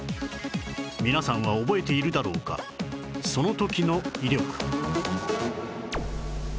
皆さんは覚えているだろうかその時の威力